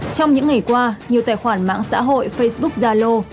trong những ngày qua nhiều tài khoản mạng xã hội facebook zalo